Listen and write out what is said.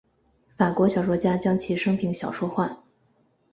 法国小说家将其生平小说化。